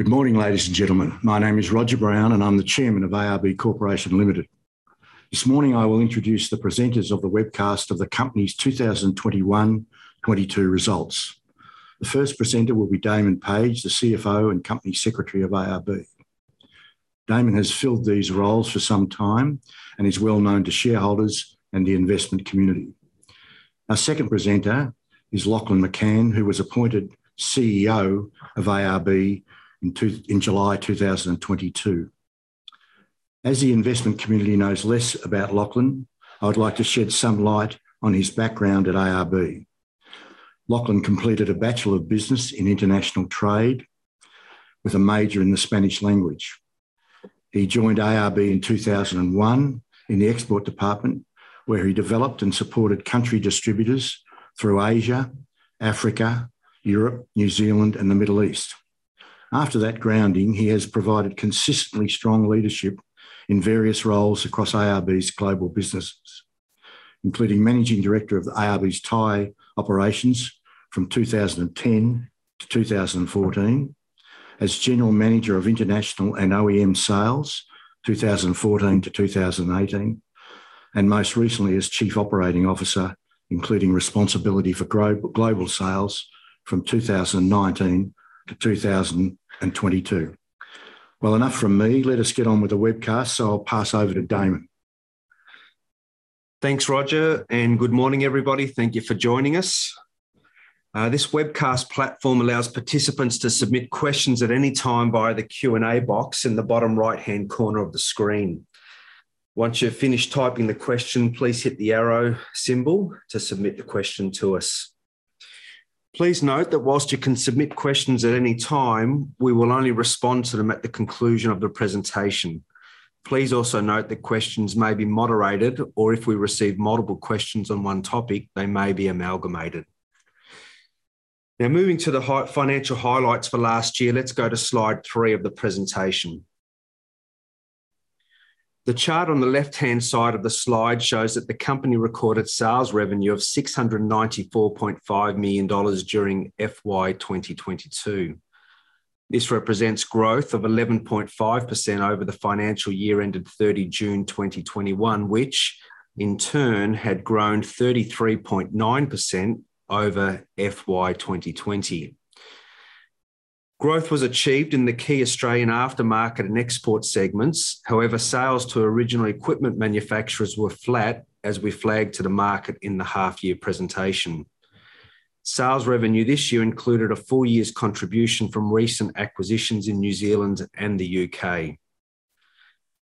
Good morning, ladies and gentlemen. My name is Roger Brown, and I'm the Chairman of ARB Corporation Limited. This morning, I will introduce the presenters of the webcast of the company's 2021, 2022 results. The first presenter will be Damon Page, the CFO and Company Secretary of ARB. Damon has filled these roles for some time and is well known to shareholders and the investment community. Our second presenter is Lachlan McCann, who was appointed CEO of ARB in July 2022. As the investment community knows less about Lachlan, I would like to shed some light on his background at ARB. Lachlan completed a Bachelor of Business in International Trade with a major in the Spanish language. He joined ARB in 2001 in the export department, where he developed and supported country distributors through Asia, Africa, Europe, New Zealand, and the Middle East. After that grounding, he has provided consistently strong leadership in various roles across ARB's global businesses, including Managing Director of ARB's Thai operations from 2010 to 2014, as General Manager of International and OEM Sales 2014 to 2018, and most recently as Chief Operating Officer, including responsibility for global sales from 2019 to 2022. Well, enough from me. Let us get on with the webcast. I'll pass over to Damon. Thanks, Roger, and good morning, everybody. Thank you for joining us. This webcast platform allows participants to submit questions at any time via the Q&A box in the bottom right-hand corner of the screen. Once you've finished typing the question, please hit the arrow symbol to submit the question to us. Please note that while you can submit questions at any time, we will only respond to them at the conclusion of the presentation. Please also note that questions may be moderated or if we receive multiple questions on one topic, they may be amalgamated. Now, moving to the financial highlights for last year. Let's go to slide three of the presentation. The chart on the left-hand side of the slide shows that the company recorded sales revenue of 694.5 million dollars during FY 2022. This represents growth of 11.5% over the financial year ended 30 June 2021, which in turn had grown 33.9% over FY 2020. Growth was achieved in the key Australian aftermarket and export segments. However, sales to original equipment manufacturers were flat, as we flagged to the market in the half year presentation. Sales revenue this year included a full year's contribution from recent acquisitions in New Zealand and the U.K.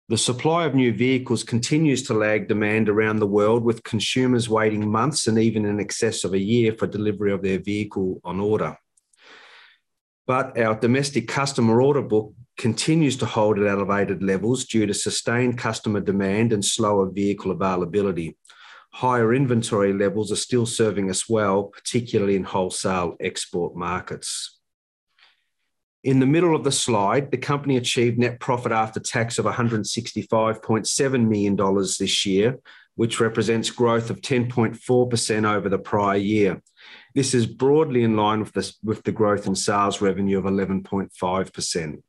The supply of new vehicles continues to lag demand around the world, with consumers waiting months and even in excess of a year for delivery of their vehicle on order. Our domestic customer order book continues to hold at elevated levels due to sustained customer demand and slower vehicle availability. Higher inventory levels are still serving us well, particularly in wholesale export markets. In the middle of the slide, the company achieved net profit after tax of 165.7 million dollars this year, which represents growth of 10.4% over the prior year. This is broadly in line with the growth in sales revenue of 11.5%.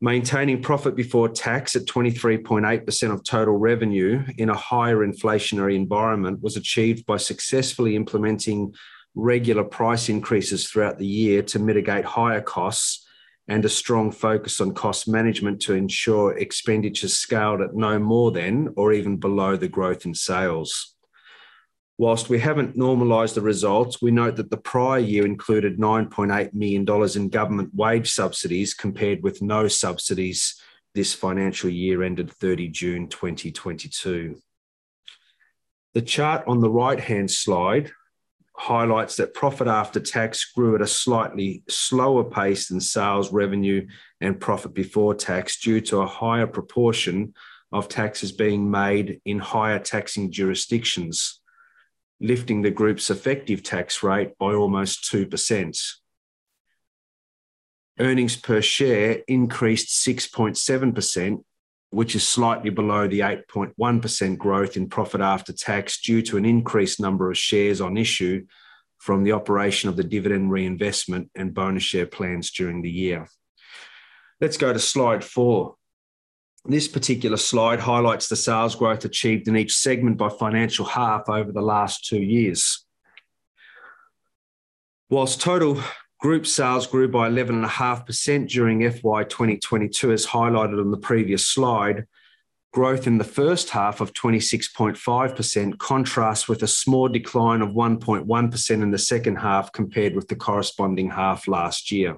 Maintaining profit before tax at 23.8% of total revenue in a higher inflationary environment was achieved by successfully implementing regular price increases throughout the year to mitigate higher costs and a strong focus on cost management to ensure expenditures scaled at no more than or even below the growth in sales. While we haven't normalized the results, we note that the prior year included 9.8 million dollars in government wage subsidies compared with no subsidies this financial year ended 30 June 2022. The chart on the right-hand slide highlights that profit after tax grew at a slightly slower pace than sales revenue and profit before tax due to a higher proportion of taxes being made in higher taxing jurisdictions, lifting the group's effective tax rate by almost 2%. Earnings per share increased 6.7%, which is slightly below the 8.1% growth in profit after tax due to an increased number of shares on issue from the operation of the Dividend Reinvestment Plan and Bonus Share Plan during the year. Let's go to slide four. This particular slide highlights the sales growth achieved in each segment by financial half over the last two years. While total group sales grew by 11.5% during FY 2022, as highlighted on the previous slide, growth in the first half of 26.5% contrasts with a small decline of 1.1% in the second half compared with the corresponding half last year.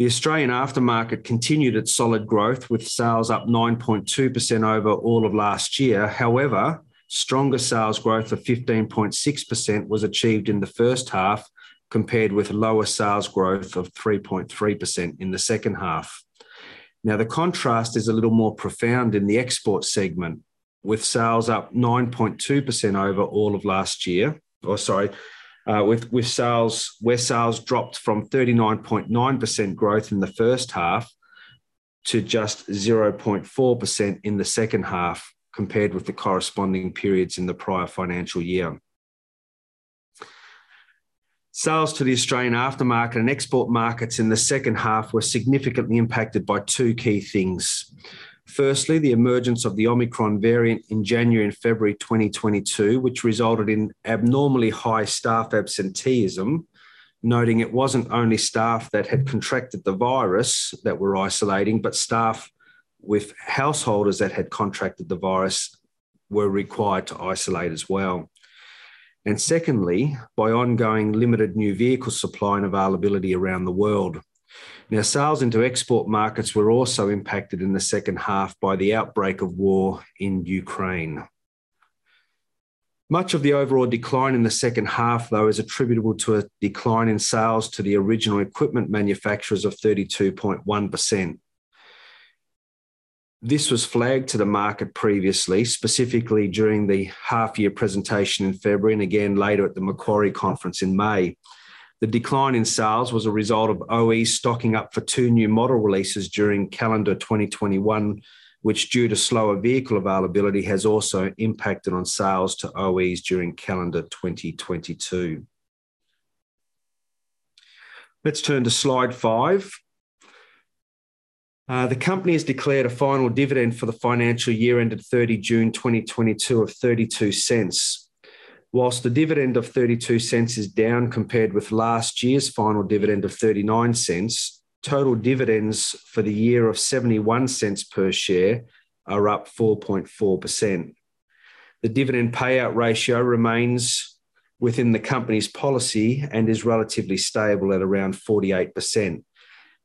The Australian aftermarket continued its solid growth, with sales up 9.2% over all of last year. However, stronger sales growth of 15.6% was achieved in the first half, compared with lower sales growth of 3.3% in the second half. Now, the contrast is a little more profound in the export segment, with sales up 9.2% over all of last year. Sales—where sales dropped from 39.9% growth in the first half to just 0.4% in the second half compared with the corresponding periods in the prior financial year. Sales to the Australian aftermarket and export markets in the second half were significantly impacted by two key things. Firstly, the emergence of the Omicron variant in January and February 2022, which resulted in abnormally high staff absenteeism. Noting it wasn't only staff that had contracted the virus that were isolating, but staff with householders that had contracted the virus were required to isolate as well. Secondly, by ongoing limited new vehicle supply and availability around the world. Now, sales into export markets were also impacted in the second half by the outbreak of war in Ukraine. Much of the overall decline in the second half, though, is attributable to a decline in sales to the original equipment manufacturers of 32.1%. This was flagged to the market previously, specifically during the half-year presentation in February, and again later at the Macquarie conference in May. The decline in sales was a result of OEs stocking up for two new model releases during calendar 2021, which, due to slower vehicle availability, has also impacted on sales to OEs during calendar 2022. Let's turn to slide five. The company has declared a final dividend for the financial year ended 30 June 2022 of 0.32. Whilst the dividend of 0.32 is down compared with last year's final dividend of 0.39, total dividends for the year of 0.71 per share are up 4.4%. The dividend payout ratio remains within the company's policy and is relatively stable at around 48%.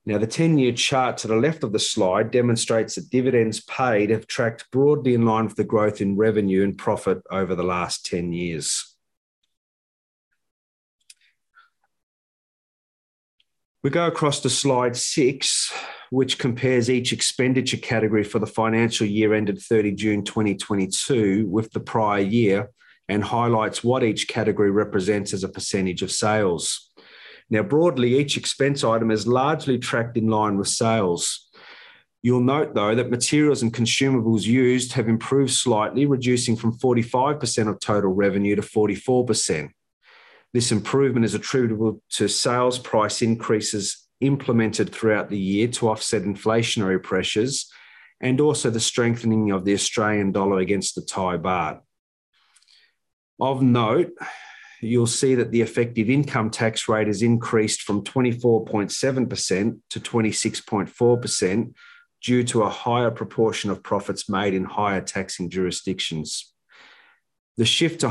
Now, the 10-year chart to the left of the slide demonstrates that dividends paid have tracked broadly in line with the growth in revenue and profit over the last 10 years. We go across to slide six, which compares each expenditure category for the financial year ended 30 June 2022 with the prior year and highlights what each category represents as a percentage of sales. Now, broadly, each expense item is largely tracked in line with sales. You'll note, though, that materials and consumables used have improved slightly, reducing from 45% of total revenue to 44%. This improvement is attributable to sales price increases implemented throughout the year to offset inflationary pressures and also the strengthening of the Australian dollar against the Thai baht. Of note, you'll see that the effective income tax rate has increased from 24.7% to 26.4% due to a higher proportion of profits made in higher taxing jurisdictions. The shift to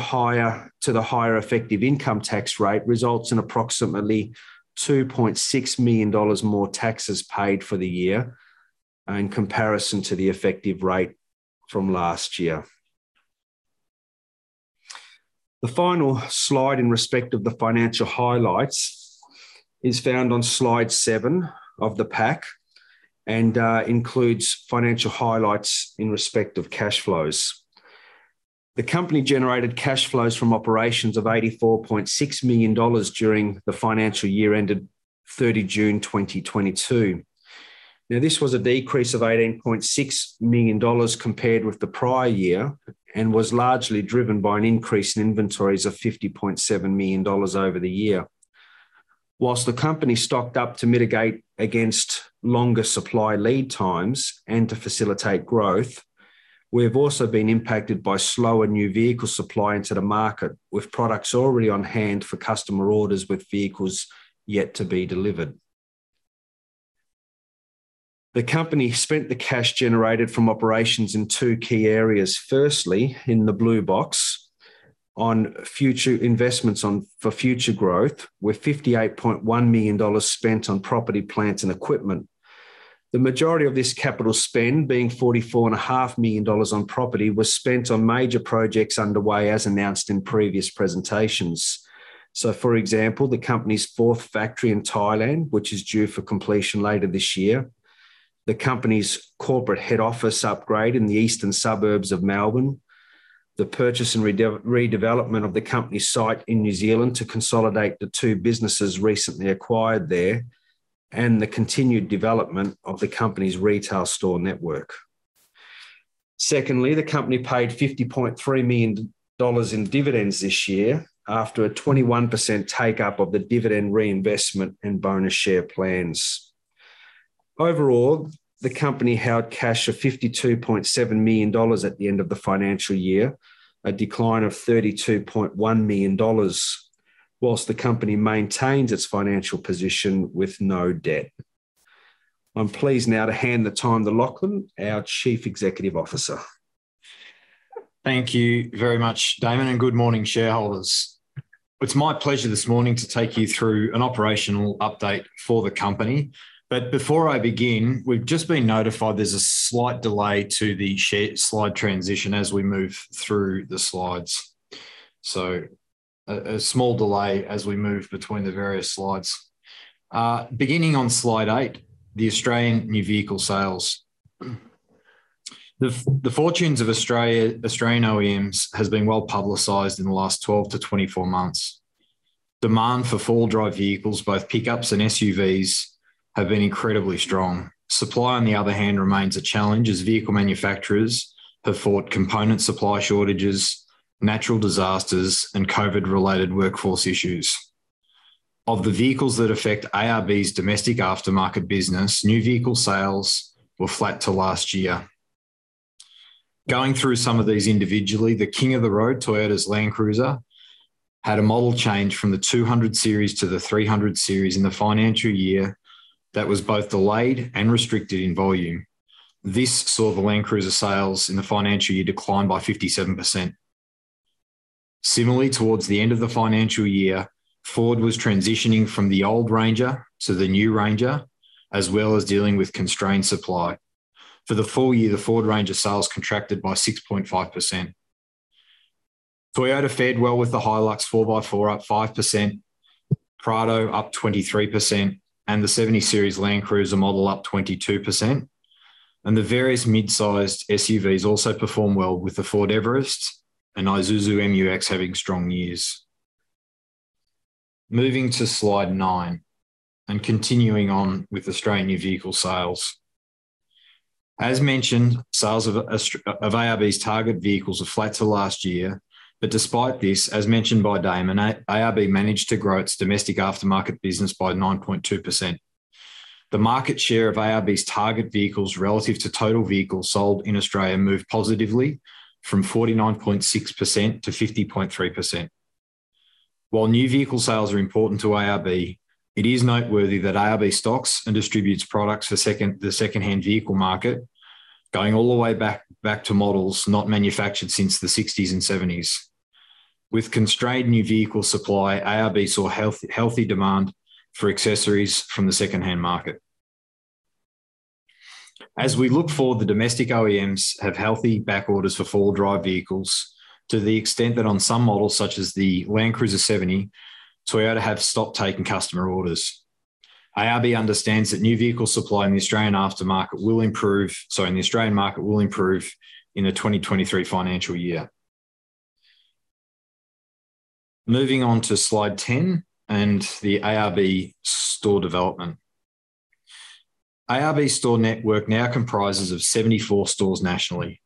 the higher effective income tax rate results in approximately 2.6 million dollars more taxes paid for the year in comparison to the effective rate from last year. The final slide in respect of the financial highlights is found on slide seven of the pack and includes financial highlights in respect of cash flows. The company generated cash flows from operations of 84.6 million dollars during the financial year ended 30 June 2022. Now, this was a decrease of 18.6 million dollars compared with the prior year, and was largely driven by an increase in inventories of 50.7 million dollars over the year. While the company stocked up to mitigate against longer supply lead times and to facilitate growth, we have also been impacted by slower new vehicle supply into the market, with products already on hand for customer orders with vehicles yet to be delivered. The company spent the cash generated from operations in two key areas. Firstly, in the blue box, on future investments for future growth, with 58.1 million dollars spent on property, plant and equipment. The majority of this capital spend, being 44.5 million dollars on property, was spent on major projects underway as announced in previous presentations. For example, the company's fourth factory in Thailand, which is due for completion later this year, the company's corporate head office upgrade in the eastern suburbs of Melbourne, the purchase and redevelopment of the company's site in New Zealand to consolidate the two businesses recently acquired there, and the continued development of the company's retail store network. Secondly, the company paid 50.3 million dollars in dividends this year after a 21% take up of the Dividend Reinvestment and Bonus Share Plans. Overall, the company held cash of 52.7 million dollars at the end of the financial year, a decline of 32.1 million dollars, while the company maintains its financial position with no debt. I'm pleased now to hand the time to Lachlan, our Chief Executive Officer. Thank you very much, Damon, and good morning, shareholders. It's my pleasure this morning to take you through an operational update for the company. Before I begin, we've just been notified there's a slight delay to the share slide transition as we move through the slides. A small delay as we move between the various slides. Beginning on slide eight, the fortunes of Australian OEMs has been well publicized in the last 12-24 months. Demand for four-wheel drive vehicles, both pickups and SUVs, have been incredibly strong. Supply, on the other hand, remains a challenge as vehicle manufacturers have fought component supply shortages, natural disasters, and COVID-related workforce issues. Of the vehicles that affect ARB's domestic aftermarket business, new vehicle sales were flat to last year. Going through some of these individually, the king of the road, Toyota's Land Cruiser, had a model change from the 200 Series to the 300 Series in the financial year that was both delayed and restricted in volume. This saw the Land Cruiser sales in the financial year decline by 57%. Similarly, towards the end of the financial year, Ford was transitioning from the old Ranger to the new Ranger, as well as dealing with constrained supply. For the full year, the Ford Ranger sales contracted by 6.5%. Toyota fared well with the Hilux 4x4 up 5%, Prado up 23%, and the 70 Series Land Cruiser model up 22%. The various mid-sized SUVs also perform well with the Ford Everest and Isuzu MU-X having strong years. Moving to slide nine and continuing on with Australian new vehicle sales. As mentioned, sales of ARB's target vehicles are flat to last year. Despite this, as mentioned by Damon, ARB managed to grow its domestic aftermarket business by 9.2%. The market share of ARB's target vehicles relative to total vehicles sold in Australia moved positively from 49.6% to 50.3%. While new vehicle sales are important to ARB, it is noteworthy that ARB stocks and distributes products for the second-hand vehicle market, going all the way back to models not manufactured since the 60s and 70s. With constrained new vehicle supply, ARB saw healthy demand for accessories from the second-hand market. As we look forward, the domestic OEMs have healthy back orders for four-wheel drive vehicles to the extent that on some models, such as the Land Cruiser 70, Toyota have stopped taking customer orders. ARB understands that new vehicle supply in the Australian market will improve in the 2023 financial year. Moving on to slide 10 and the ARB store development. ARB store network now comprises of 74 stores nationally.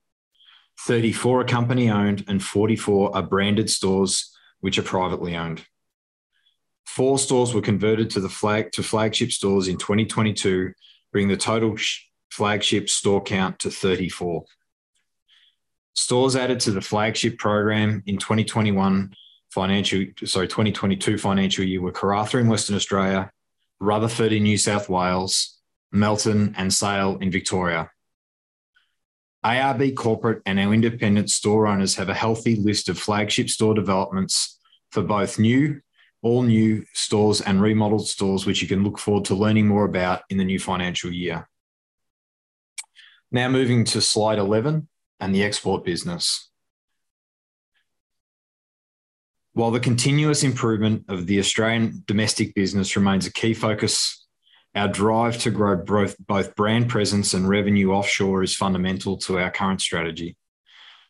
34 are company-owned and 44 are branded stores which are privately owned. Four stores were converted to flagship stores in 2022, bringing the total flagship store count to 34. Stores added to the flagship program in 2022 financial year were Karratha in Western Australia, Rutherford in New South Wales, Melton and Sale in Victoria. ARB corporate and our independent store owners have a healthy list of flagship store developments for both new, all new stores and remodeled stores, which you can look forward to learning more about in the new financial year. Now moving to slide 11 and the export business. While the continuous improvement of the Australian domestic business remains a key focus, our drive to grow both brand presence and revenue offshore is fundamental to our current strategy.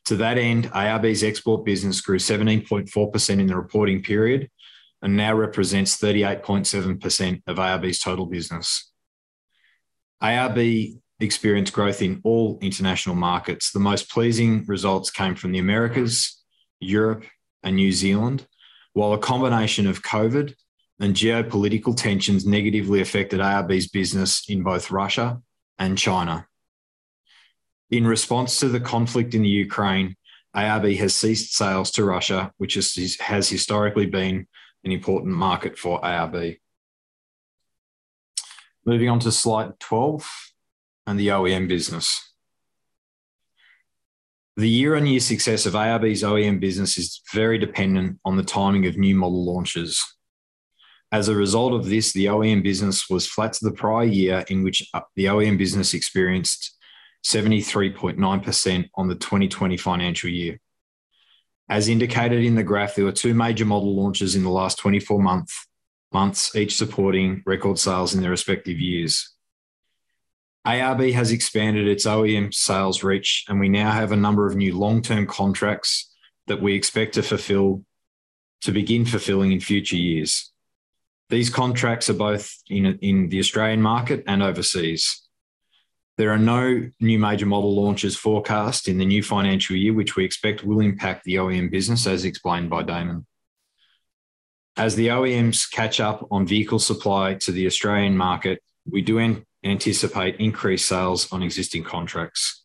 To that end, ARB's export business grew 17.4% in the reporting period and now represents 38.7% of ARB's total business. ARB experienced growth in all international markets. The most pleasing results came from the Americas, Europe, and New Zealand. While a combination of COVID and geopolitical tensions negatively affected ARB's business in both Russia and China. In response to the conflict in the Ukraine, ARB has ceased sales to Russia, which has historically been an important market for ARB. Moving on to slide 12 and the OEM business. The year-on-year success of ARB's OEM business is very dependent on the timing of new model launches. As a result of this, the OEM business was flat to the prior year in which the OEM business experienced 73.9% in the FY 2020. As indicated in the graph, there were two major model launches in the last 24 months, each supporting record sales in their respective years. ARB has expanded its OEM sales reach, and we now have a number of new long-term contracts that we expect to begin fulfilling in future years. These contracts are both in the Australian market and overseas. There are no new major model launches forecast in the new financial year, which we expect will impact the OEM business, as explained by Damon. As the OEMs catch up on vehicle supply to the Australian market, we anticipate increased sales on existing contracts.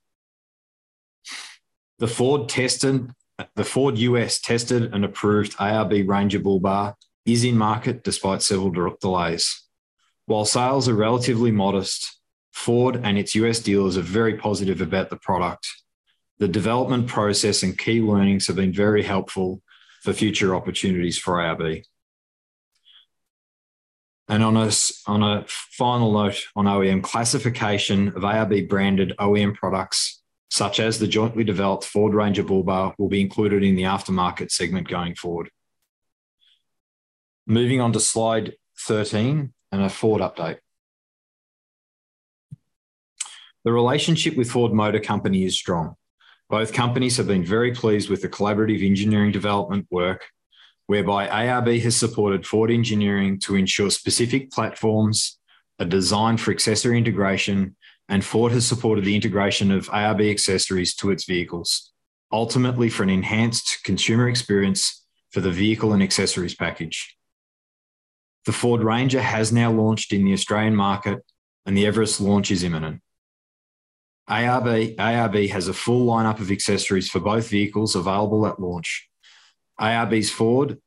The Ford U.S. tested and approved ARB Ranger bull bar is in market despite several delays. While sales are relatively modest, Ford and its U.S. dealers are very positive about the product. The development process and key learnings have been very helpful for future opportunities for ARB. On a final note on OEM classification of ARB-branded OEM products such as the jointly developed Ford Ranger bull bar will be included in the aftermarket segment going forward. Moving on to slide 13 and a Ford update. The relationship with Ford Motor Company is strong. Both companies have been very pleased with the collaborative engineering development work, whereby ARB has supported Ford engineering to ensure specific platforms are designed for accessory integration, and Ford has supported the integration of ARB accessories to its vehicles, ultimately, for an enhanced consumer experience for the vehicle and accessories package. The Ford Ranger has now launched in the Australian market and the Everest launch is imminent. ARB has a full lineup of accessories for both vehicles available at launch. Ford's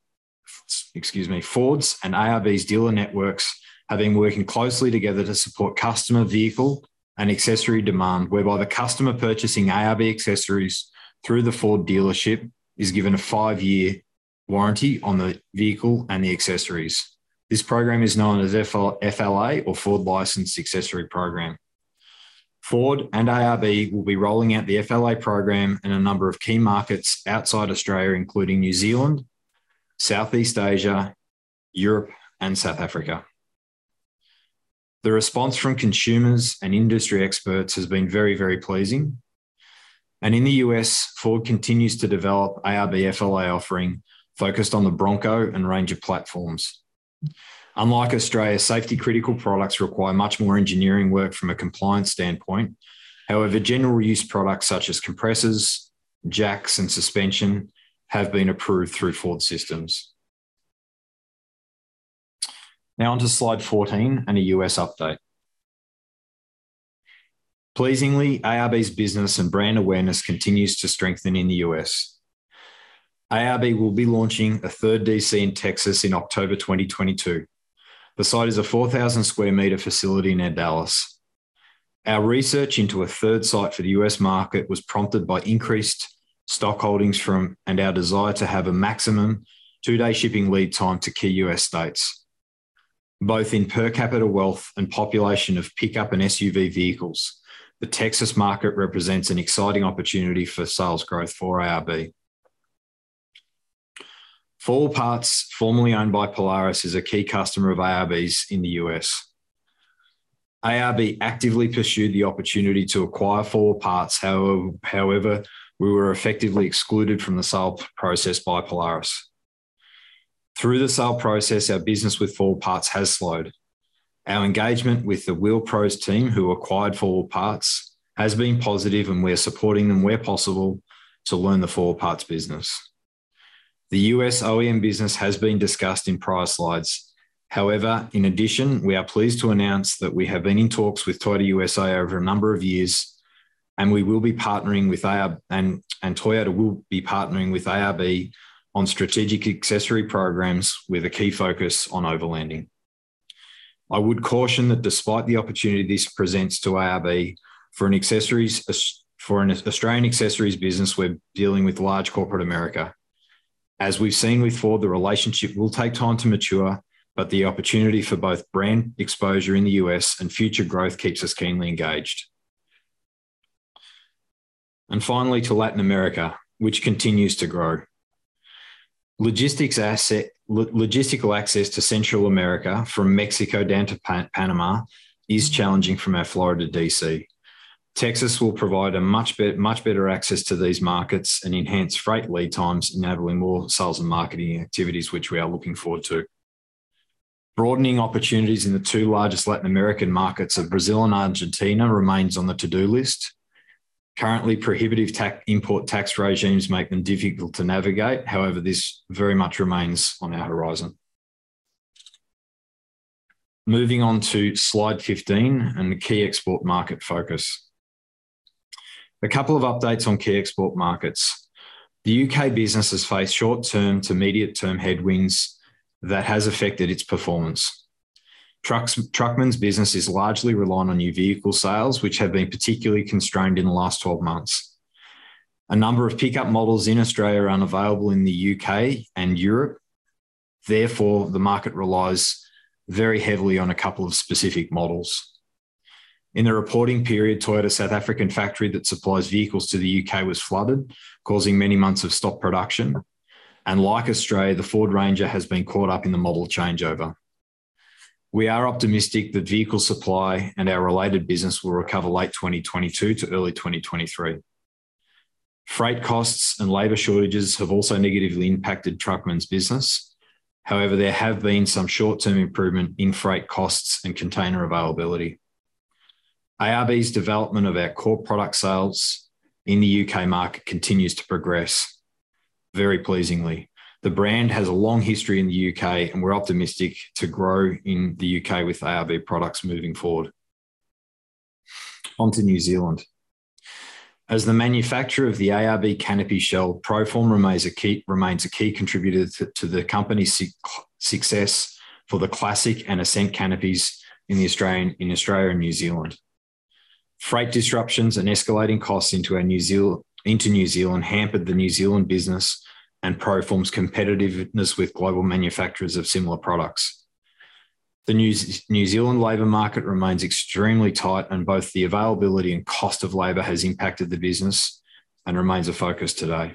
and ARB's dealer networks have been working closely together to support customer vehicle and accessory demand, whereby the customer purchasing ARB accessories through the Ford dealership is given a five-year warranty on the vehicle and the accessories. This program is known as FLA or Ford Licensed Accessories program. Ford and ARB will be rolling out the FLA program in a number of key markets outside Australia, including New Zealand, Southeast Asia, Europe and South Africa. The response from consumers and industry experts has been very, very pleasing. In the U.S., Ford continues to develop ARB FLA offering focused on the Bronco and Ranger platforms. Unlike Australia, safety-critical products require much more engineering work from a compliance standpoint. However, general use products such as compressors, jacks, and suspension have been approved through Ford systems. Now on to slide 14 and a U.S. update. Pleasingly, ARB's business and brand awareness continues to strengthen in the U.S. ARB will be launching a third DC in Texas in October 2022. The site is a 4,000 sq m facility near Dallas. Our research into a third site for the U.S. market was prompted by increased stock holdings from, and our desire to have a maximum two-day shipping lead time to key U.S. states, both in per capita wealth and population of pickup and SUV vehicles. The Texas market represents an exciting opportunity for sales growth for ARB. 4 Wheel Parts, formerly owned by Polaris, is a key customer of ARB's in the U.S. ARB actively pursued the opportunity to acquire 4 Wheel Parts, however, we were effectively excluded from the sale process by Polaris. Through the sale process, our business with 4 Wheel Parts has slowed. Our engagement with the Wheel Pros team who acquired 4 Wheel Parts has been positive, and we're supporting them where possible to learn the 4 Wheel Parts business. The U.S. OEM business has been discussed in prior slides. However, in addition, we are pleased to announce that we have been in talks with Toyota U.S.A. over a number of years, and we will be partnering with ARB, and Toyota will be partnering with ARB on strategic accessory programs with a key focus on overlanding. I would caution that despite the opportunity this presents to ARB for an Australian accessories business, we're dealing with large corporate America. As we've seen with Ford, the relationship will take time to mature, but the opportunity for both brand exposure in the U.S. and future growth keeps us keenly engaged. Finally to Latin America, which continues to grow. Logistical access to Central America from Mexico down to Panama is challenging from our Florida DC. Texas will provide much better access to these markets and enhance freight lead times, enabling more sales and marketing activities, which we are looking forward to. Broadening opportunities in the two largest Latin American markets of Brazil and Argentina remains on the to-do list. Currently, prohibitive tax import tax regimes make them difficult to navigate. However, this very much remains on our horizon. Moving on to slide 15 and the key export market focus. A couple of updates on key export markets. The U.K. business has faced short-term to immediate-term headwinds that has affected its performance. Truckman's business is largely reliant on new vehicle sales, which have been particularly constrained in the last 12 months. A number of pickup models in Australia are unavailable in the U.K. and Europe. Therefore, the market relies very heavily on a couple of specific models. In the reporting period, Toyota South African factory that supplies vehicles to the U.K. was flooded, causing many months of stopped production. Like Australia, the Ford Ranger has been caught up in the model changeover. We are optimistic that vehicle supply and our related business will recover late 2022 to early 2023. Freight costs and labor shortages have also negatively impacted Truckman's business. However, there have been some short-term improvement in freight costs and container availability. ARB's development of our core product sales in the U.K. market continues to progress very pleasingly. The brand has a long history in the U.K., and we're optimistic to grow in the U.K. with ARB products moving forward. Onto New Zealand. As the manufacturer of the ARB canopy shell, Proform remains a key contributor to the company's success for the Classic and Ascent canopies in Australia and New Zealand. Freight disruptions and escalating costs into New Zealand hampered the New Zealand business and Proform's competitiveness with global manufacturers of similar products. The New Zealand labor market remains extremely tight, and both the availability and cost of labor has impacted the business and remains a focus today.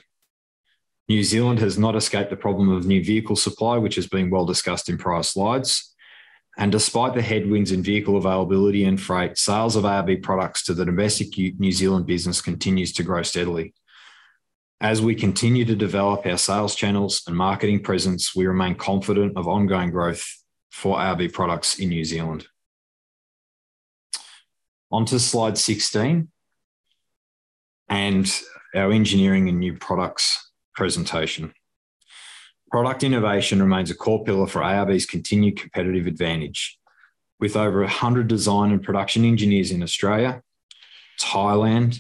New Zealand has not escaped the problem of new vehicle supply, which has been well discussed in prior slides. Despite the headwinds in vehicle availability and freight, sales of ARB products to the domestic New Zealand business continues to grow steadily. As we continue to develop our sales channels and marketing presence, we remain confident of ongoing growth for ARB products in New Zealand. Onto slide 16 and our engineering and new products presentation. Product innovation remains a core pillar for ARB's continued competitive advantage. With over 100 design and production engineers in Australia, Thailand,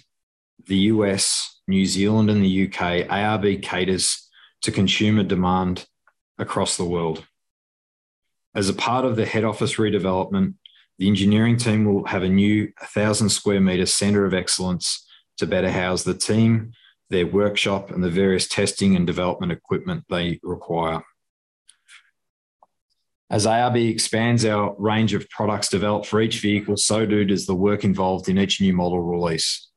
the U.S., New Zealand, and the U.K., ARB caters to consumer demand across the world. As a part of the head office redevelopment, the engineering team will have a new 1,000 sq m center of excellence to better house the team, their workshop, and the various testing and development equipment they require. As ARB expands our range of products developed for each vehicle, so too does the work involved in each new model release.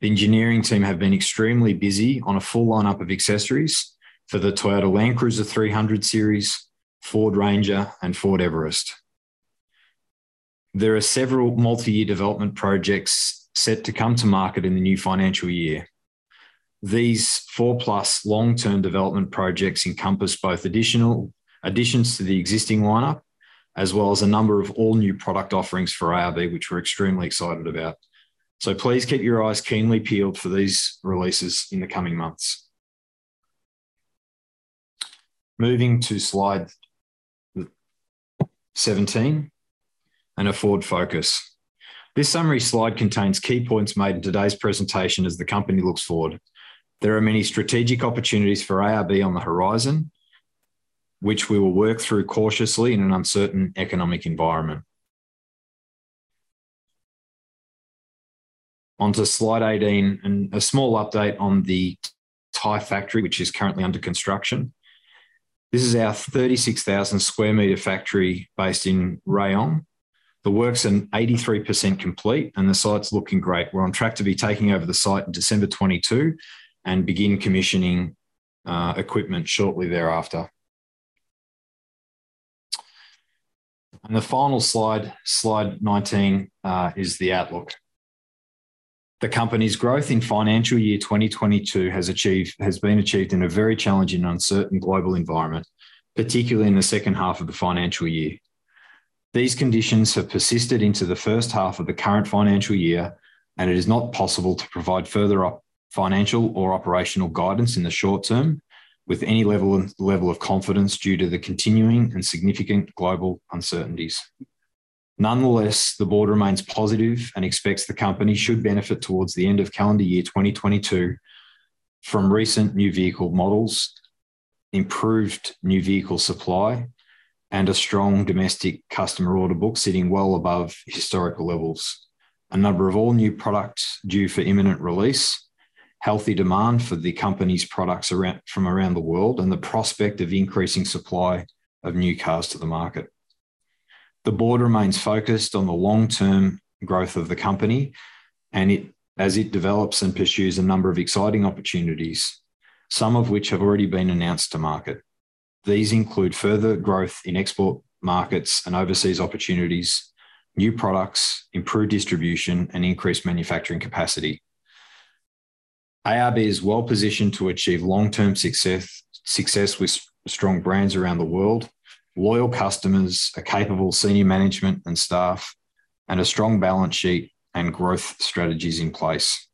The engineering team have been extremely busy on a full lineup of accessories for the Toyota Land Cruiser 300 Series, Ford Ranger, and Ford Everest. There are several multi-year development projects set to come to market in the new financial year. These four-plus long-term development projects encompass both additions to the existing lineup, as well as a number of all-new product offerings for ARB which we're extremely excited about. Please keep your eyes keenly peeled for these releases in the coming months. Moving to slide 17 and a forward focus. This summary slide contains key points made in today's presentation as the company looks forward. There are many strategic opportunities for ARB on the horizon, which we will work through cautiously in an uncertain economic environment. Onto slide 18 and a small update on the Thai factory, which is currently under construction. This is our 36,000 sq m factory based in Rayong. The work's 83% complete, and the site's looking great. We're on track to be taking over the site in December 2022 and begin commissioning equipment shortly thereafter. The final slide 19, is the outlook. The company's growth in financial year 2022 has been achieved in a very challenging and uncertain global environment, particularly in the second half of the financial year. These conditions have persisted into the first half of the current financial year, and it is not possible to provide further financial or operational guidance in the short term with any level of confidence due to the continuing and significant global uncertainties. Nonetheless, the board remains positive and expects the company should benefit towards the end of calendar year 2022 from recent new vehicle models, improved new vehicle supply, and a strong domestic customer order book sitting well above historical levels. A number of all-new products due for imminent release, healthy demand for the company's products from around the world, and the prospect of increasing supply of new cars to the market. The board remains focused on the long-term growth of the company as it develops and pursues a number of exciting opportunities, some of which have already been announced to market. These include further growth in export markets and overseas opportunities, new products, improved distribution, and increased manufacturing capacity. ARB is well-positioned to achieve long-term success with strong brands around the world, loyal customers, a capable senior management and staff, and a strong balance sheet and growth strategies in place.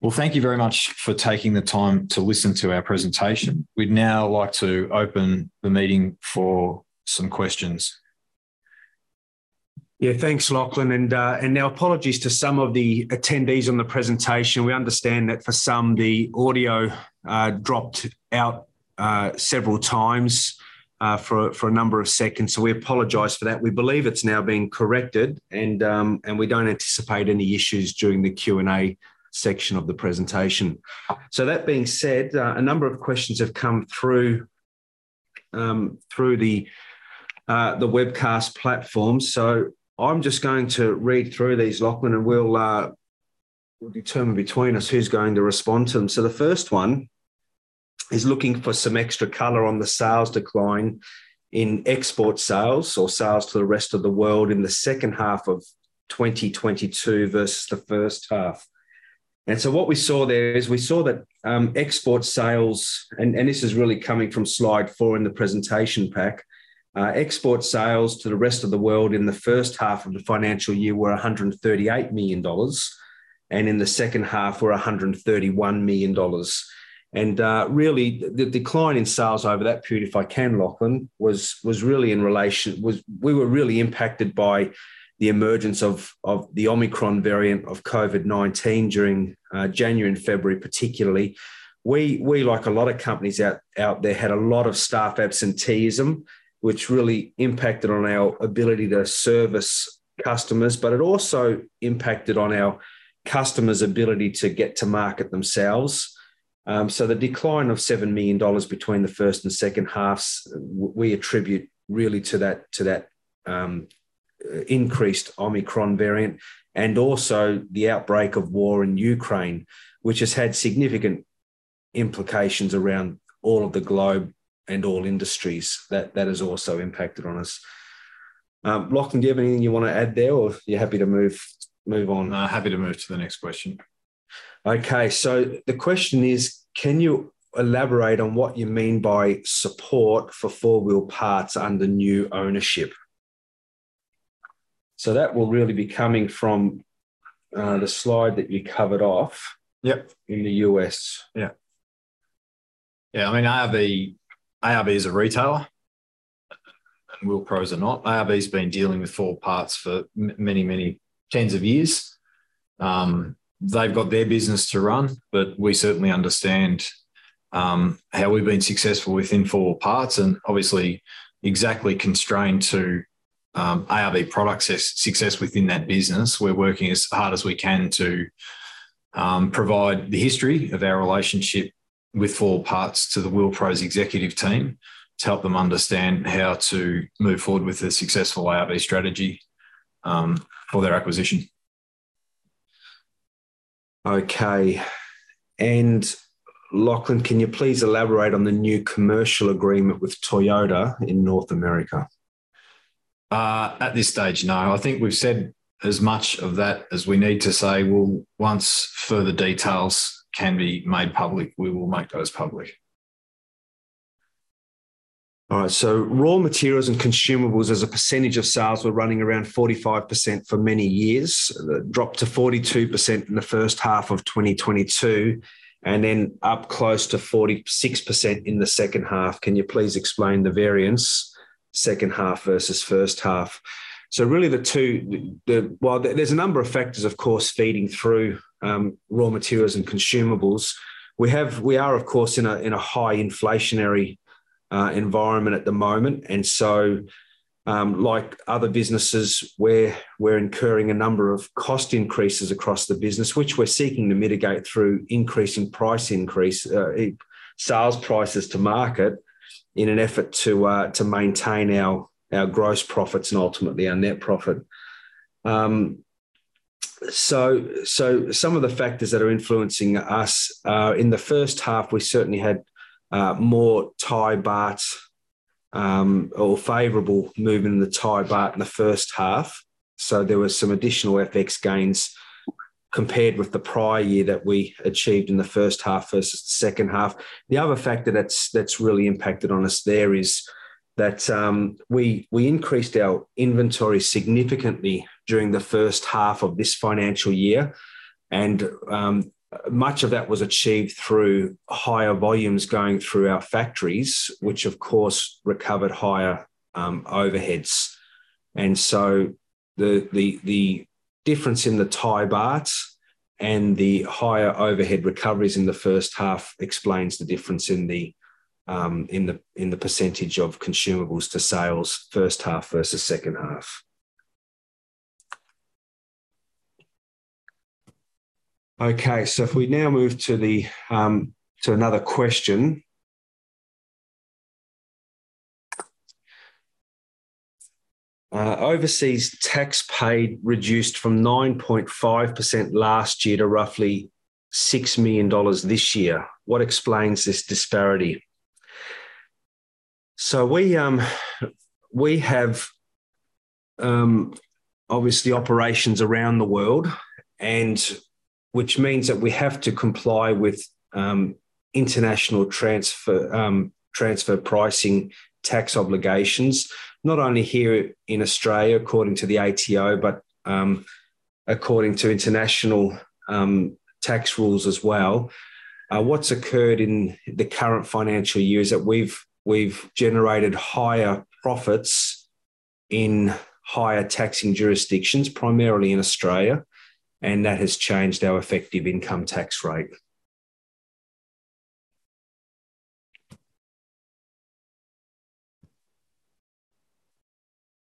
Well, thank you very much for taking the time to listen to our presentation. We'd now like to open the meeting for some questions. Yeah. Thanks, Lachlan. Our apologies to some of the attendees on the presentation. We understand that for some, the audio dropped out several times for a number of seconds, so we apologize for that. We believe it's now been corrected and we don't anticipate any issues during the Q&A section of the presentation. That being said, a number of questions have come through through the webcast platform. I'm just going to read through these, Lachlan, and we'll determine between us who's going to respond to them. The first one is looking for some extra color on the sales decline in export sales or sales to the rest of the world in the second half of 2022 versus the first half. What we saw there is we saw that export sales, and this is really coming from slide 4 in the presentation pack, export sales to the rest of the world in the first half of the financial year were 138 million dollars, and in the second half were 131 million dollars. Really, the decline in sales over that period, if I can, Lachlan, was really. We were really impacted by the emergence of the Omicron variant of COVID-19 during January and February particularly. We, like a lot of companies out there, had a lot of staff absenteeism, which really impacted on our ability to service customers, but it also impacted on our customers' ability to get to market themselves. The decline of 7 million dollars between the first and second halves we attribute really to that, increased Omicron variant, and also the outbreak of war in Ukraine, which has had significant implications around all of the globe and all industries. That has also impacted on us. Lachlan, do you have anything you wanna add there, or you're happy to move on? No, happy to move to the next question. Okay. The question is, can you elaborate on what you mean by support for 4 Wheel Parts under new ownership? That will really be coming from the slide that you covered off- Yep in the U.S. Yeah. Yeah, I mean, ARB is a retailer, and Wheel Pros are not. ARB's been dealing with 4 Wheel Parts for many, many tens of years. They've got their business to run, but we certainly understand how we've been successful within 4 Wheel Parts, and obviously exactly constrained to ARB product success within that business. We're working as hard as we can to provide the history of our relationship with 4 Wheel Parts to the Wheel Pros executive team to help them understand how to move forward with a successful ARB strategy for their acquisition. Okay. Lachlan, can you please elaborate on the new commercial agreement with Toyota in North America? At this stage, no. I think we've said as much of that as we need to say. We'll, once further details can be made public, we will make those public. All right. Raw materials and consumables as a percentage of sales were running around 45% for many years. That dropped to 42% in the first half of 2022, and then up close to 46% in the second half. Can you please explain the variance, second half versus first half? Really, well, there's a number of factors of course feeding through raw materials and consumables. We have, we are of course in a high inflationary environment at the moment. Like other businesses we're incurring a number of cost increases across the business, which we're seeking to mitigate through increases in sales prices to market in an effort to maintain our gross profits and ultimately our net profit. Some of the factors that are influencing us are that in the first half we certainly had a more favorable movement in the Thai baht in the first half. There was some additional FX gains compared with the prior year that we achieved in the first half versus second half. The other factor that's really impacted on us there is that we increased our inventory significantly during the first half of this financial year, and much of that was achieved through higher volumes going through our factories, which of course recovered higher overheads. The difference in the Thai baht and the higher overhead recoveries in the first half explains the difference in the percentage of consumables to sales first half versus second half. Okay. If we now move to another question. Overseas tax paid reduced from 9.5% last year to roughly 6 million dollars this year. What explains this disparity? We have obviously operations around the world, and which means that we have to comply with international transfer pricing tax obligations, not only here in Australia according to the ATO, but according to international tax rules as well. What's occurred in the current financial year is that we've generated higher profits in higher taxing jurisdictions, primarily in Australia, and that has changed our effective income tax rate.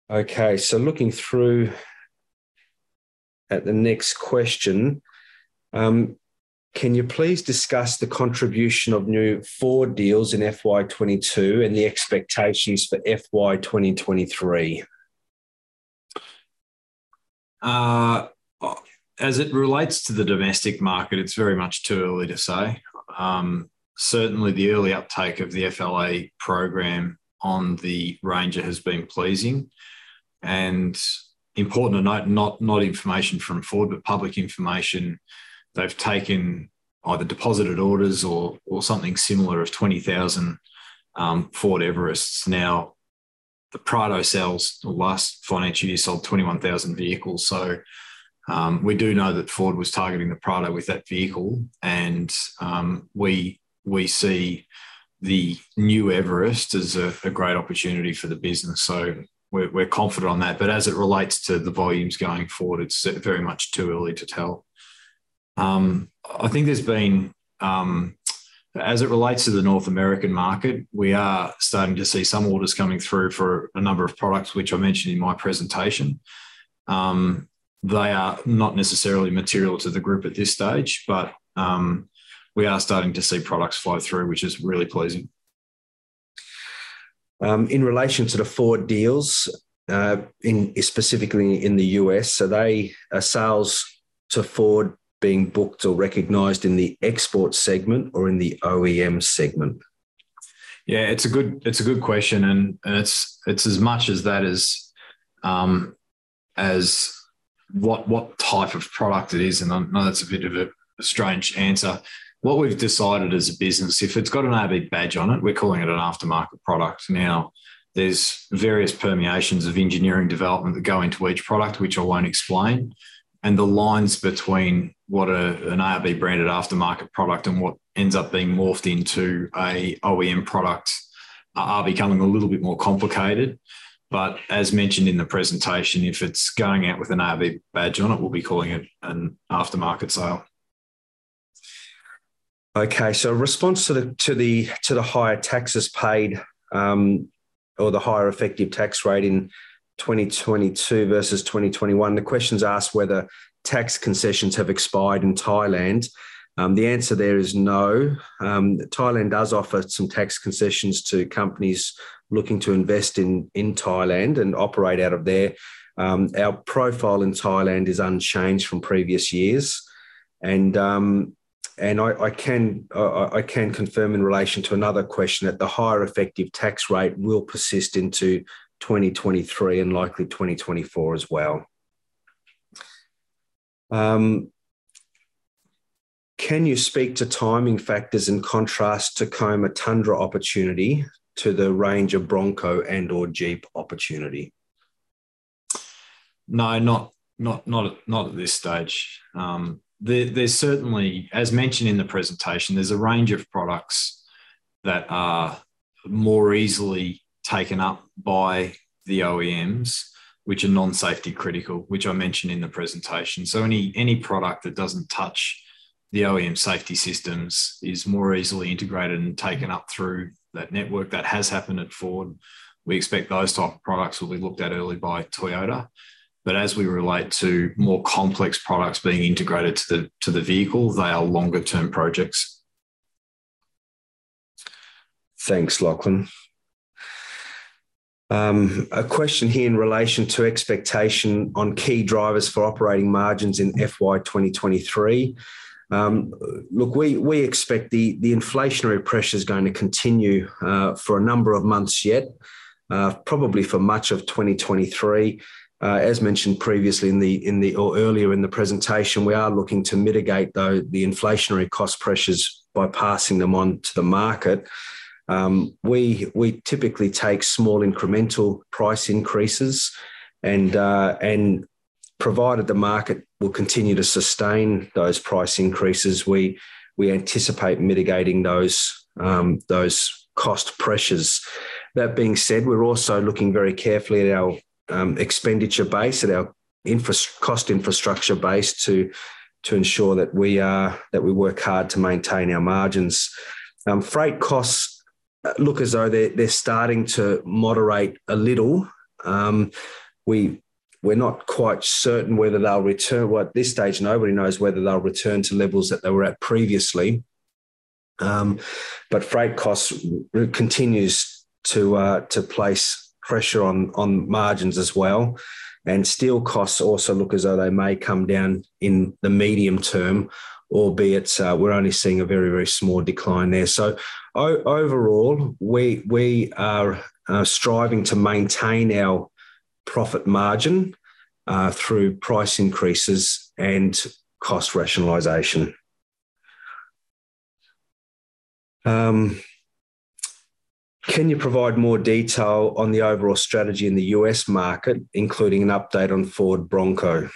Okay. Looking through at the next question. Can you please discuss the contribution of new Ford deals in FY 2022 and the expectations for FY 2023? As it relates to the domestic market, it's very much too early to say. Certainly the early uptake of the FLA program on the Ranger has been pleasing. Important to note, not information from Ford, but public information, they've taken either deposited orders or something similar of 20,000 Ford Everests. Now, the Prado sales the last financial year sold 21,000 vehicles. We do know that Ford was targeting the Prado with that vehicle, and we see the new Everest as a great opportunity for the business. We're confident on that. As it relates to the volumes going forward, it's very much too early to tell. I think there's been, as it relates to the North American market, we are starting to see some orders coming through for a number of products which I mentioned in my presentation. They are not necessarily material to the group at this stage. We are starting to see products flow through, which is really pleasing. In relation to the Ford deals, specifically in the U.S. Are they sales to Ford being booked or recognized in the export segment or in the OEM segment? It's a good question and it's as much as that as what type of product it is. I know that's a bit of a strange answer. What we've decided as a business, if it's got an ARB badge on it, we're calling it an aftermarket product. Now, there's various permutations of engineering development that go into each product, which I won't explain, and the lines between what an ARB branded aftermarket product and what ends up being morphed into an OEM product are becoming a little bit more complicated. As mentioned in the presentation, if it's going out with an ARB badge on it, we'll be calling it an aftermarket sale. Okay. In response to the higher taxes paid, or the higher effective tax rate in 2022 versus 2021. The question's asked whether tax concessions have expired in Thailand. The answer there is no. Thailand does offer some tax concessions to companies looking to invest in Thailand and operate out of there. Our profile in Thailand is unchanged from previous years. I can confirm in relation to another question that the higher effective tax rate will persist into 2023 and likely 2024 as well. Can you speak to timing factors in contrast to Tacoma Tundra opportunity to the Ranger Bronco and/or Jeep opportunity? No. Not at this stage. There's certainly, as mentioned in the presentation, a range of products that are more easily taken up by the OEMs, which are non-safety critical, which I mentioned in the presentation. Any product that doesn't touch the OEM safety systems is more easily integrated and taken up through that network. That has happened at Ford. We expect those type of products will be looked at early by Toyota. As we relate to more complex products being integrated to the vehicle, they are longer term projects. Thanks, Lachlan. A question here in relation to expectation on key drivers for operating margins in FY 2023. Look, we expect the inflationary pressure's going to continue for a number of months yet, probably for much of 2023. As mentioned previously in the, or earlier in the presentation, we are looking to mitigate the inflationary cost pressures by passing them on to the market. We typically take small incremental price increases and provided the market will continue to sustain those price increases, we anticipate mitigating those cost pressures. That being said, we're also looking very carefully at our expenditure base, at our cost infrastructure base to ensure that we work hard to maintain our margins. Freight costs look as though they're starting to moderate a little. We're not quite certain whether they'll return. Well, at this stage nobody knows whether they'll return to levels that they were at previously. Freight costs continues to place pressure on margins as well. Steel costs also look as though they may come down in the medium term, albeit we're only seeing a very small decline there. Overall, we are striving to maintain our profit margin through price increases and cost rationalization. Can you provide more detail on the overall strategy in the U.S. market, including an update on Ford Bronco?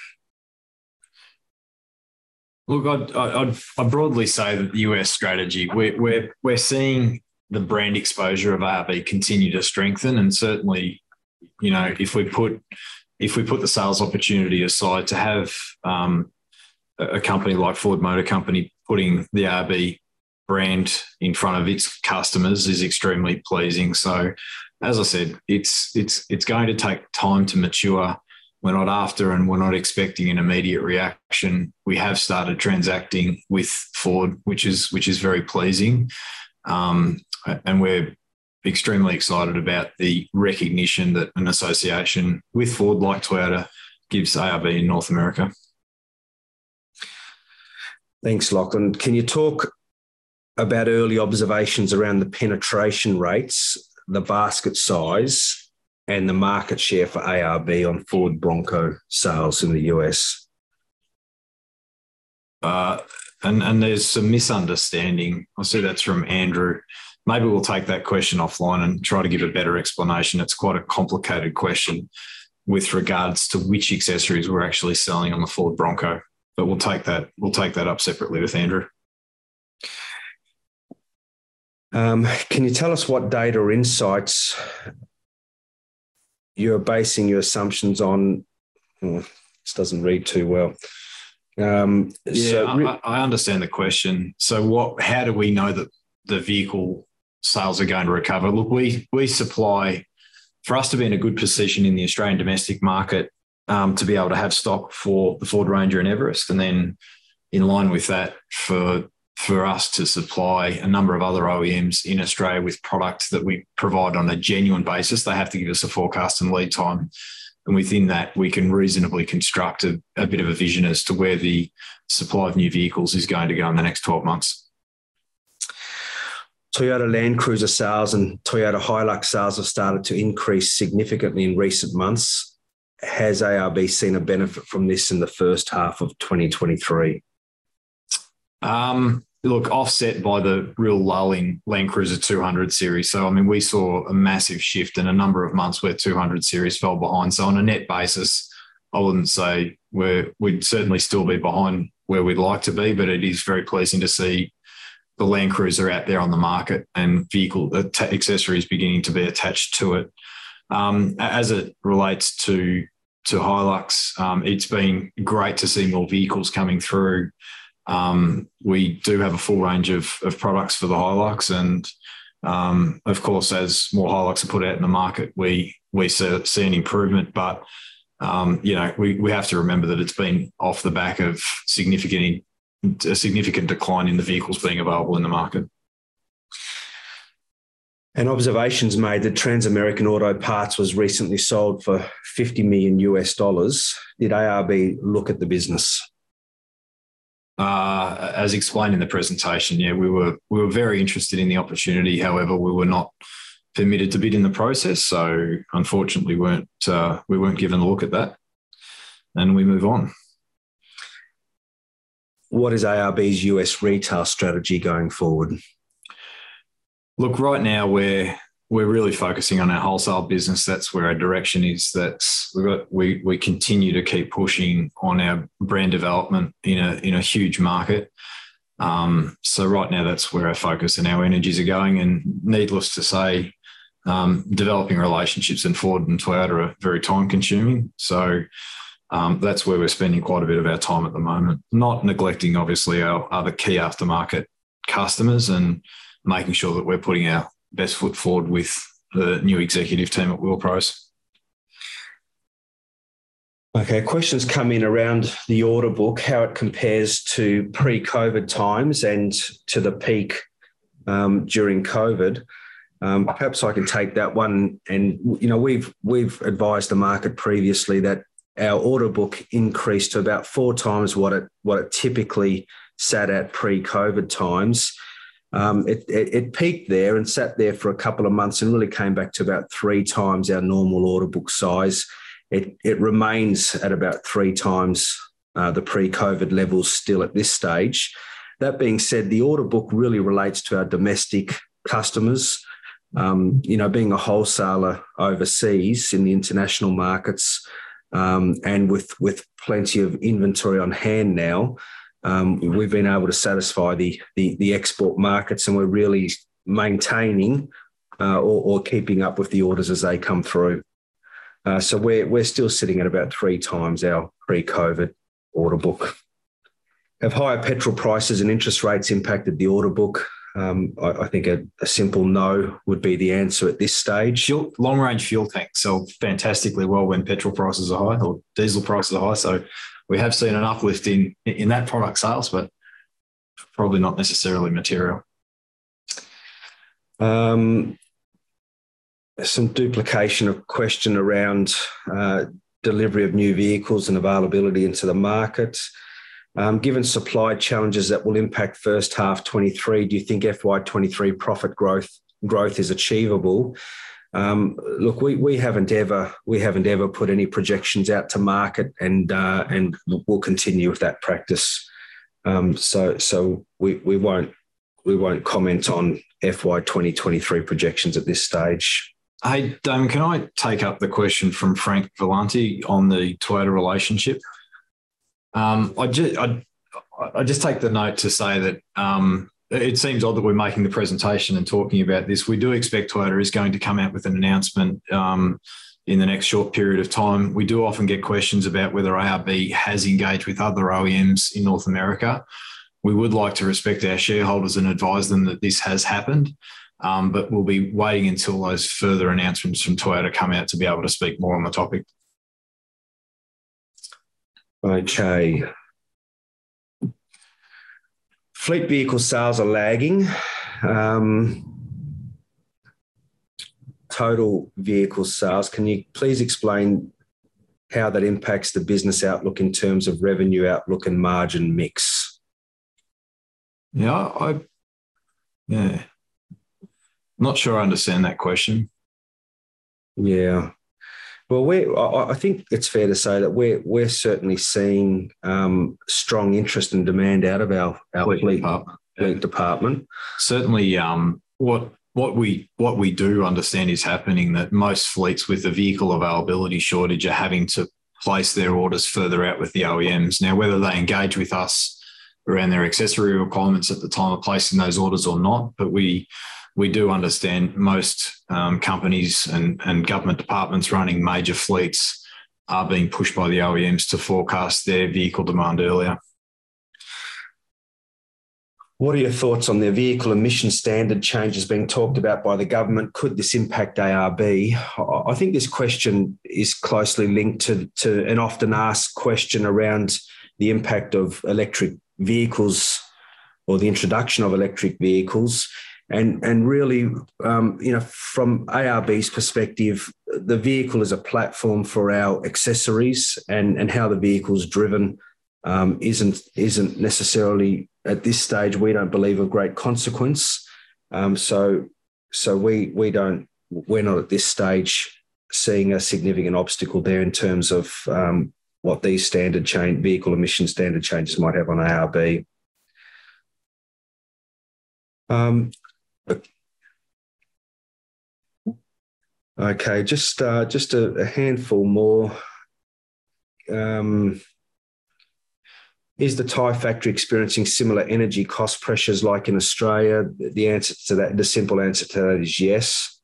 Look, I'd broadly say that the U.S. strategy, we're seeing the brand exposure of ARB continue to strengthen and certainly, you know, if we put the sales opportunity aside, to have a company like Ford Motor Company putting the ARB brand in front of its customers is extremely pleasing. As I said, it's going to take time to mature. We're not after and we're not expecting an immediate reaction. We have started transacting with Ford, which is very pleasing. We're extremely excited about the recognition that an association with Ford, like Toyota, gives ARB in North America. Thanks, Lachlan. Can you talk about early observations around the penetration rates, the basket size, and the market share for ARB on Ford Bronco sales in the U.S.? There's some misunderstanding. I see that's from Andrew. Maybe we'll take that question offline and try to give a better explanation. It's quite a complicated question with regards to which accessories we're actually selling on the Ford Bronco. We'll take that up separately with Andrew. Can you tell us what data insights you're basing your assumptions on? Yeah, I understand the question. What, how do we know that the vehicle sales are going to recover? Look, we supply for us to be in a good position in the Australian domestic market, to be able to have stock for the Ford Ranger and Everest, and then in line with that, for us to supply a number of other OEMs in Australia with products that we provide on a genuine basis, they have to give us a forecast and lead time. Within that we can reasonably construct a bit of a vision as to where the supply of new vehicles is going to go in the next 12 months. Toyota Land Cruiser sales and Toyota Hilux sales have started to increase significantly in recent months. Has ARB seen a benefit from this in the first half of 2023? Look, offset by the real lull in Land Cruiser 200 Series. I mean, we saw a massive shift in a number of months where 200 Series fell behind. On a net basis, I wouldn't say we'd certainly still be behind where we'd like to be, but it is very pleasing to see the Land Cruiser out there on the market and vehicle accessories beginning to be attached to it. As it relates to Hilux, it's been great to see more vehicles coming through. We do have a full range of products for the Hilux and, of course, as more Hilux are put out in the market, we see an improvement. You know, we have to remember that it's been off the back of a significant decline in the vehicles being available in the market. An observation's made that Transamerican Auto Parts was recently sold for $50 million. Did ARB look at the business? As explained in the presentation, yeah, we were very interested in the opportunity. However, we were not permitted to bid in the process, so unfortunately we weren't given a look at that, and we move on. What is ARB's U.S. retail strategy going forward? Look, right now we're really focusing on our wholesale business. That's where our direction is. We continue to keep pushing on our brand development in a huge market. Right now that's where our focus and our energies are going. Needless to say, developing relationships in Ford and Toyota are very time-consuming, so that's where we're spending quite a bit of our time at the moment. Not neglecting, obviously, our other key aftermarket customers and making sure that we're putting our best foot forward with the new executive team at Wheel Pros. Okay. A question's come in around the order book, how it compares to pre-COVID times and to the peak during COVID. Perhaps I can take that one. You know, we've advised the market previously that our order book increased to about 4x what it typically sat at pre-COVID times. It peaked there and sat there for a couple of months and really came back to about 3x our normal order book size. It remains at about 3x the pre-COVID levels still at this stage. That being said, the order book really relates to our domestic customers. You know, being a wholesaler overseas in the international markets, and with plenty of inventory on hand now, we've been able to satisfy the export markets, and we're really maintaining, or keeping up with the orders as they come through. We're still sitting at about 3x our pre-COVID order book. Have higher gasoline prices and interest rates impacted the order book? I think a simple no would be the answer at this stage. Fuel long range fuel tanks sell fantastically well when petrol prices are high or diesel prices are high. We have seen an uplift in that product sales, but probably not necessarily material. Some duplication of question around delivery of new vehicles and availability into the market. Given supply challenges that will impact first half 2023, do you think FY 2023 profit growth is achievable? Look, we haven't ever put any projections out to market and we'll continue with that practice. We won't comment on FY 2023 projections at this stage. Hey, Damon, can I take up the question from Frank Galanti on the Toyota relationship? I just take the note to say that it seems odd that we're making the presentation and talking about this. We do expect Toyota is going to come out with an announcement in the next short period of time. We do often get questions about whether ARB has engaged with other OEMs in North America. We would like to respect our shareholders and advise them that this has happened. We'll be waiting until those further announcements from Toyota come out to be able to speak more on the topic. Okay. Fleet vehicle sales are lagging. Total vehicle sales. Can you please explain how that impacts the business outlook in terms of revenue outlook and margin mix? Yeah. Not sure I understand that question. Yeah. Well, I think it's fair to say that we're certainly seeing strong interest and demand out of our fleet- Fleet Department Fleet Department. Certainly, what we do understand is happening that most fleets with the vehicle availability shortage are having to place their orders further out with the OEMs. Now, whether they engage with us around their accessory requirements at the time of placing those orders or not, but we do understand most companies and government departments running major fleets are being pushed by the OEMs to forecast their vehicle demand earlier. What are your thoughts on the vehicle emission standard changes being talked about by the government? Could this impact ARB? I think this question is closely linked to an often asked question around the impact of electric vehicles or the introduction of electric vehicles. Really, you know, from ARB's perspective, the vehicle is a platform for our accessories, and how the vehicle's driven isn't necessarily at this stage we don't believe of great consequence. We're not at this stage seeing a significant obstacle there in terms of what these vehicle emission standard changes might have on ARB. Okay, just a handful more. Is the Thai factory experiencing similar energy cost pressures like in Australia? The answer to that is yes.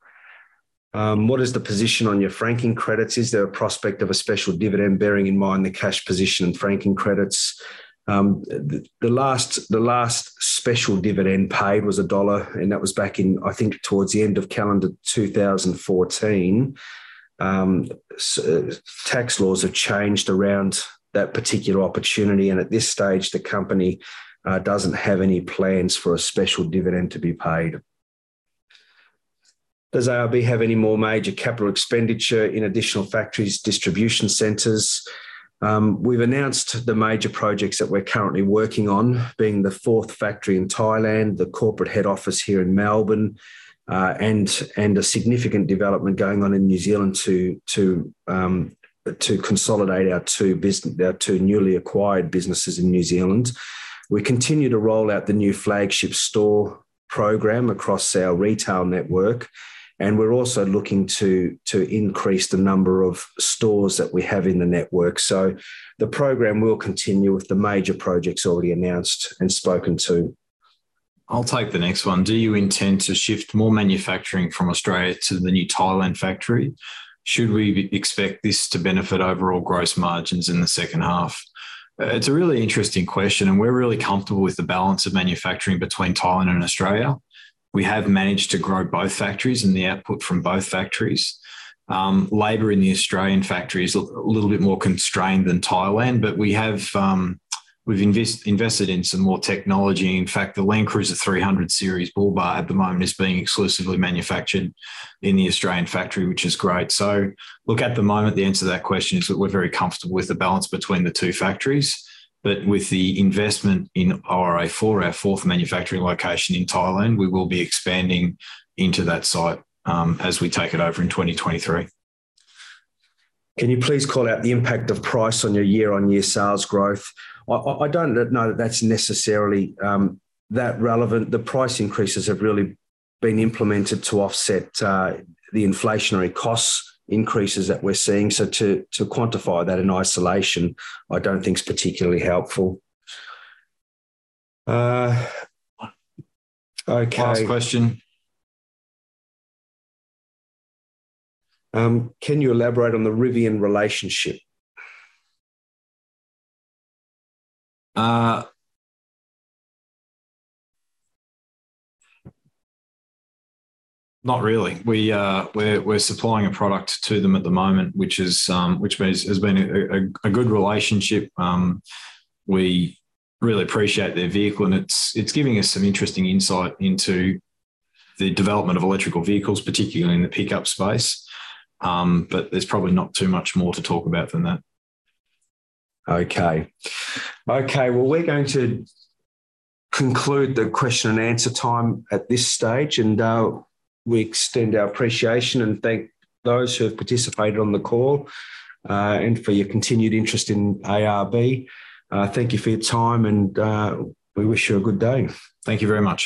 What is the position on your franking credits? Is there a prospect of a special dividend bearing in mind the cash position and franking credits? The last special dividend paid was AUD 1, and that was back in, I think towards the end of calendar 2014. Tax laws have changed around that particular opportunity, and at this stage the company doesn't have any plans for a special dividend to be paid. Does ARB have any more major capital expenditure in additional factories, distribution centers? We've announced the major projects that we're currently working on, being the fourth factory in Thailand, the corporate head office here in Melbourne, and a significant development going on in New Zealand to consolidate our two newly acquired businesses in New Zealand. We continue to roll out the new flagship store program across our retail network, and we're also looking to increase the number of stores that we have in the network. The program will continue with the major projects already announced and spoken to. I'll take the next one. Do you intend to shift more manufacturing from Australia to the new Thailand factory? Should we expect this to benefit overall gross margins in the second half? It's a really interesting question, and we're really comfortable with the balance of manufacturing between Thailand and Australia. We have managed to grow both factories and the output from both factories. Labor in the Australian factory is a little bit more constrained than Thailand, but we have, we've invested in some more technology. In fact, the Land Cruiser 300 Series bull bar at the moment is being exclusively manufactured in the Australian factory, which is great. Look, at the moment, the answer to that question is that we're very comfortable with the balance between the two factories. With the investment in RA4, our fourth manufacturing location in Thailand, we will be expanding into that site, as we take it over in 2023. Can you please call out the impact of price on your year-on-year sales growth? I don't know that that's necessarily that relevant. The price increases have really been implemented to offset the inflationary costs increases that we're seeing. To quantify that in isolation I don't think is particularly helpful. Okay. Last question. Can you elaborate on the Rivian relationship? Not really. We're supplying a product to them at the moment, which has been a good relationship. We really appreciate their vehicle, and it's giving us some interesting insight into the development of electric vehicles, particularly in the pickup space. There's probably not too much more to talk about than that. Okay. Well, we're going to conclude the question and answer time at this stage, and we extend our appreciation and thank those who have participated on the call, and for your continued interest in ARB. Thank you for your time, and we wish you a good day. Thank you very much.